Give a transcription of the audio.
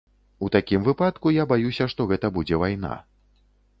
У такім выпадку, я баюся, што гэта будзе вайна.